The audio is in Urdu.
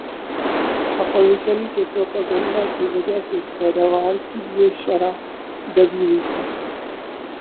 اپوزیشن کے پراپیگنڈا کی وجہ سے پیداوار کی یہ شرح دبی ہوئی تھی